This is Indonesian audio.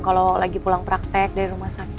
kalau lagi pulang praktek dari rumah sakit